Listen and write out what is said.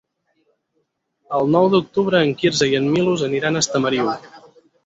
El nou d'octubre en Quirze i en Milos aniran a Estamariu.